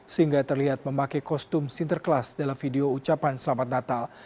sehingga terlihat memakai kostum sinterklas dalam video ucapan selamat natal